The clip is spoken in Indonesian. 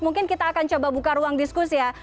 mungkin kita akan coba buka ruang diskusi ya